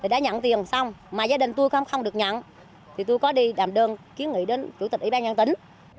đã nhận tiền xong mà gia đình tôi không được nhận thì tôi có đi làm đơn kiến nghị đến chủ tịch ủy ban nhân tỉnh